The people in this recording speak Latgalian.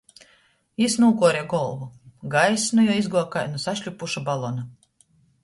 Jis nūkuore golvu, gaiss nu juo izguoja kai nu sašļuopuša balona.